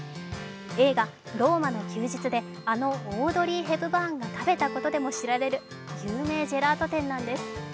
映画「ローマの休日」であのオードリー・ヘプバーンが食べたことでも知られる有名ジェラート店なんです。